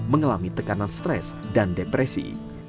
mengalami tekanan stres dan depresi